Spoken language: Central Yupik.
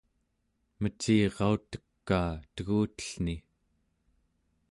mecirautekaa tegutellni